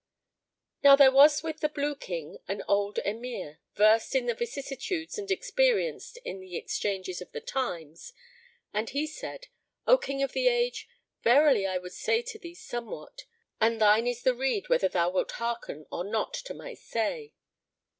Now there was with the Blue King an old Emir, versed in the vicissitudes and experienced in the exchanges of the times, and he said, "O King of the Age, verily I would say to thee somewhat, and thine is the rede whether thou wilt hearken or not to my say."